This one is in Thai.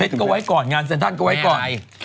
ก็ไว้ก่อนงานเซ็นทรัลก็ไว้ก่อน